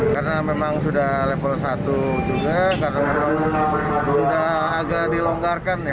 karena memang sudah level satu juga karena memang sudah agak dilonggarkan ya